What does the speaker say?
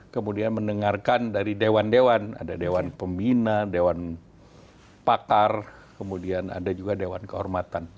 kemudian mendengarkan dari dewan dewan ada dewan pembina dewan pakar kemudian ada juga dewan kehormatan